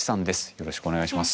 よろしくお願いします。